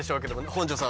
本上さん